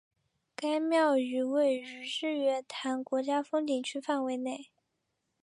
该庙宇位于日月潭国家风景区范围内。